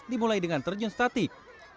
dimulai dengan terjun statik